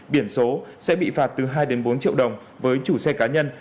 biển số sẽ bị phạt từ hai bốn triệu đồng với chủ xe cá nhân